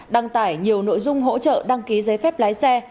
đăng tải nhiều nội dung hỗ trợ đăng ký giấy phép lái xe